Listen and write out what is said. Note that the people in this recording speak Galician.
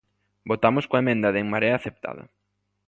Votamos coa emenda de En Marea aceptada.